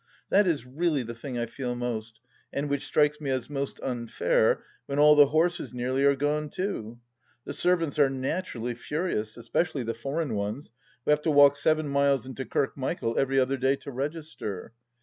That is really the thing I feel most, and which strikes me as most unfair, when all the horses nearly are gone too I The servants are naturally furious, especially the foreign ones, who have to walk seven miles into Kirkmichael every other day to register.